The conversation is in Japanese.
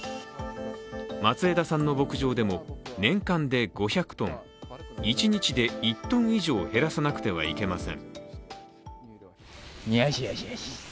松枝さんの牧場でも、年間で５００ｔ、一日で１ｔ以上減らさなくてはいけません。